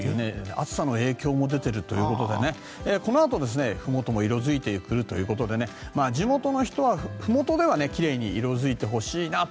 暑さの影響も出ているということでこのあと、ふもとも色付いてくるということで地元の人はふもとでは奇麗に色付いてほしいなと。